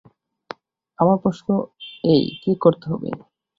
আমার প্রশ্ন এই– কী করতে হবে?